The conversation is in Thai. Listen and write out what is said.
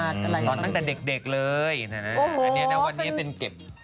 ตอนตั้งแต่เด็กเลยนะอันนี้นะวันนี้เป็นเก็บ